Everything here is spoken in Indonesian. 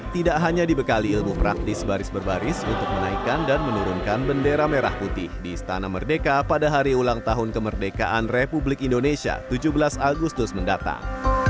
tidak hanya dibekali ilmu praktis baris berbaris untuk menaikkan dan menurunkan bendera merah putih di istana merdeka pada hari ulang tahun kemerdekaan republik indonesia tujuh belas agustus mendatang